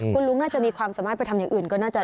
คุณลุงน่าจะมีความสามารถไปทำอย่างอื่นก็น่าจะ